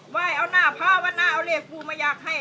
ไหว้เอาหน้าพาวนาเอาเลขปูมาอยากให้